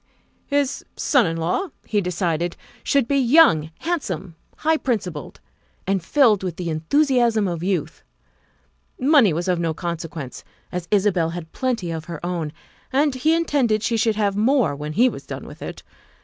His son in law, he decided, should be young, handsome, high principled, and filled with the enthusiasm of youth; money was of no consequence, as Isabel had plenty of her own, and he intended she should have more when he was done with it.